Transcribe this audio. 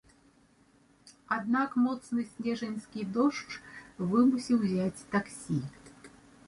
Аднак моцны снежаньскі дождж вымусіў узяць таксі.